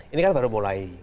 ini kan baru mulai